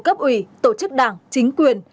cấp ủy tổ chức đảng chính quyền